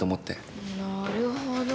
なるほど。